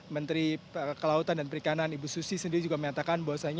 menteri kelautan dan perikanan ibu susi sendiri juga menyatakan bahwasannya